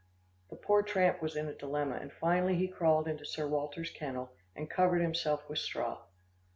The poor tramp was in a dilemma, and finally he crawled into Sir Walter's kennel, and covered himself with straw.